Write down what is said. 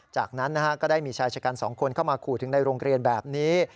จากนั้นก็ได้มีชายชะกัน๒คนเข้ามาขู่ถึงในโรงเรียนแบบนี้